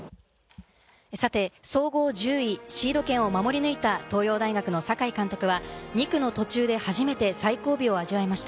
総合１０位、シード権を守り抜いた東洋大学の酒井監督は２区の途中で初めて最後尾を味わいました。